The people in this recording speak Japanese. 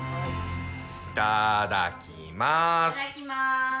いただきます！